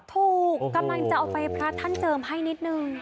ถูกกำลังจะเอาไปพระท่านเจิมให้นิดนึง